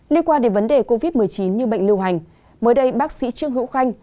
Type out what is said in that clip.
liên quan đến vấn đề covid một mươi chín như bệnh lưu hành mới đây bác sĩ trương hữu khanh